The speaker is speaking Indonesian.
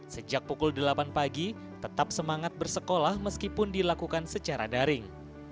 sejak pukul delapan pagi tetap semangat bersekolah meskipun dilakukan secara daring